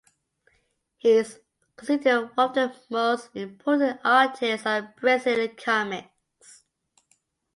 He is considered one of the most important artists of Brazilian comics.